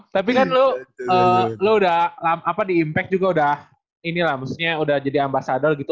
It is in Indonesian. tapi kan lo udah di impact juga udah ini lah udah jadi ambasadal gitu